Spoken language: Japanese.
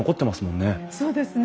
そうですね。